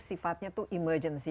sifatnya itu emergency